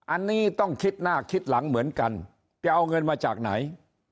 อันนี้ต้องคิดหน้าคิดหลังเหมือนกันจะเอาเงินมาจากไหน